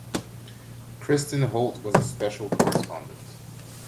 Kristin Holt was a special correspondent.